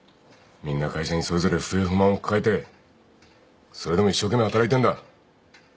みんな会社にそれぞれ不平不満を抱えてそれでも一生懸命働いてんだ。